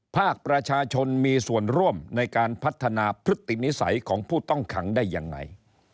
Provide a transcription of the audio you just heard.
ภาคประชาชนมีส่วนร่วมในการพัฒนาพฤตินิสัยของผู้ต้องขังได้ยังไง